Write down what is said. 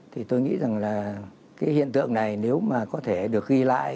thì tôi nghĩ rằng là cái hiện tượng này nếu mà có thể được ghi lại